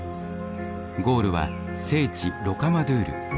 ゴールは聖地ロカマドゥール。